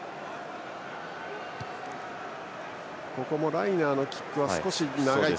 ライナーのキック、少し長いか。